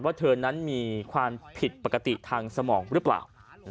เธอนั้นมีความผิดปกติทางสมองหรือเปล่า